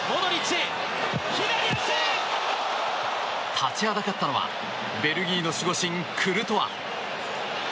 立ちはだかったのはベルギーの守護神クルトワ。